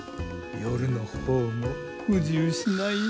夜の方も不自由しないよ。